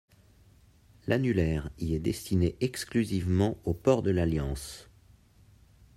L'annulaire y est destiné exclusivement au port de l'alliance.